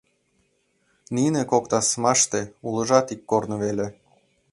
Нине кок тасмаште улыжат ик корно веле.